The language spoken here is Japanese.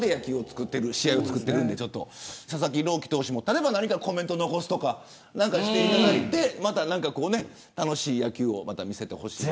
みんなで試合を作っている佐々木朗希投手も例えば何かコメントを残すとか何かしていただいて楽しい野球をまた見せてほしい。